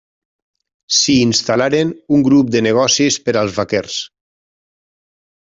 S'hi instal·laren un grup de negocis per als vaquers.